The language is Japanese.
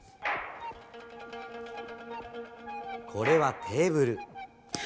これはテーブル。